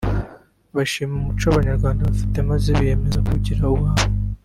bashima umuco abanyarwanda bafite maze biyemeza kuwugira uwabo